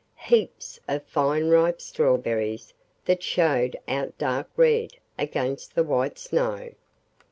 —heaps of fine ripe strawberries that showed out dark red against the white snow.